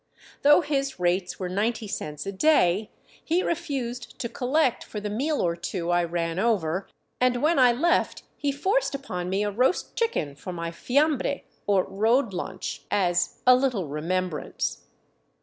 Though his rates were ninety cents a day, he refused to collect for the meal or two I ran over and when I left he forced upon me a roast chicken for my 411 VAGABONDING DOWN THE ANDES fiambre, or road lunch, as " a little remembrance."